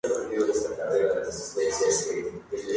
Se trasladó a Madrid pero no mejoró.